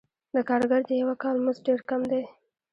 د کارګر د یوه کال مزد ډېر کم دی